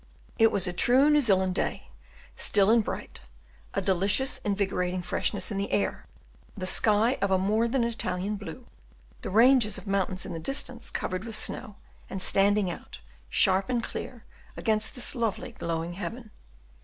It was a true New Zealand day, still and bright, a delicious invigorating freshness in the air, without the least chill, the sky of a more than Italian blue, the ranges of mountains in the distance covered with snow, and standing out, sharp and clear against this lovely glowing heaven.